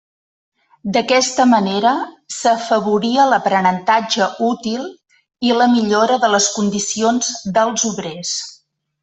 D'aquesta manera s'afavoria l'aprenentatge útil i la millora de les condicions dels obrers.